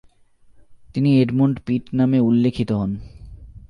তিনি Edmund Pitt নামে উল্লেখিত হন।